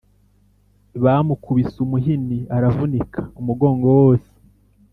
Bamukubise umuhini aravunika umugongo wose